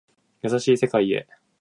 優しい世界へ